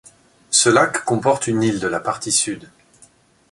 Ce lac comporte une île de la partie Sud.